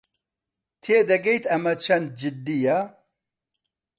تێدەگەیت ئەمە چەند جددییە؟